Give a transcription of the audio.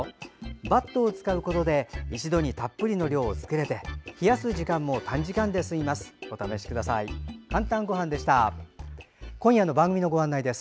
バットを使うことで一度にたっぷりの量を作れて冷やす時間も短時間で済みます。